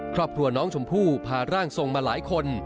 ครอบครัวน้องชมพู่พาร่างทรงมาหลายคน